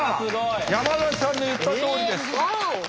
山崎さんの言ったとおりです。